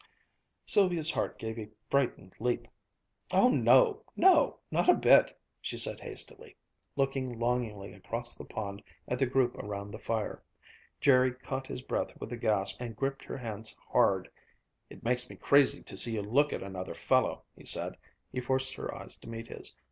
_" Sylvia's heart gave a frightened leap. "Oh no no not a bit!" she said hastily, looking longingly across the pond at the group around the fire. Jerry caught his breath with a gasp and gripped her hands hard. "It makes me crazy to see you look at another fellow," he said. He forced her eyes to meet his.